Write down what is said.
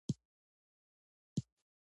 زما ورور نړيوالو سیاليو کې برخه اخلي.